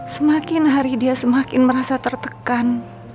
semakin hari dia semakin merasa tertekan